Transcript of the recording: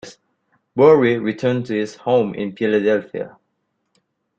Borie returned to his home in Philadelphia.